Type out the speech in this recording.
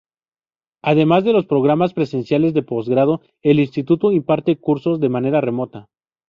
Además de los programas presenciales de posgrado, el instituto imparte cursos de manera remota.